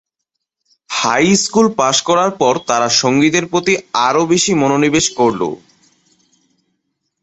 High school পাশ করার পর তারা সঙ্গীতের প্রতি আরো বেশি মনোনিবেশ করলো।